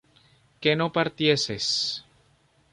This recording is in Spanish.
que no partieses